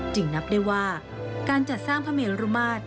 นับได้ว่าการจัดสร้างพระเมรุมาตร